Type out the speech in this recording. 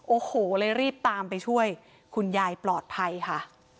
โอ้โหเลยรีบตามไปช่วยคุณยายปลอดภัยค่ะ